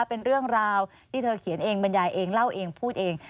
เป็นเรื่องราวที่เธอเขียนเองบรรยายเองเล่าเองพูดเอง